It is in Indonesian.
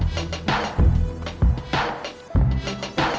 mereka selalu bernyanyi